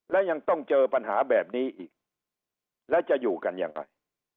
และยังต้องเจอปัญหาแบบนี้อีกแล้วจะอยู่กันยังไง